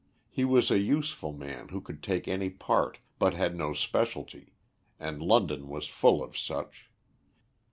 He was a useful man who could take any part, but had no specialty, and London was full of such.